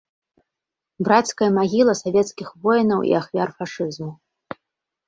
Брацкая магіла савецкіх воінаў і ахвяр фашызму.